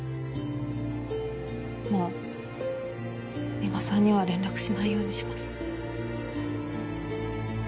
もう三馬さんには連絡しないようにします。